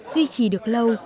duy trì được lâu